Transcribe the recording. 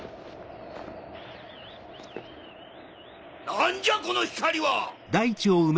何じゃこの光は！